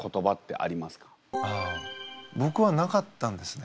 あぼくはなかったんですね。